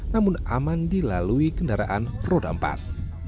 namun aman dilalui kendaraan roda empat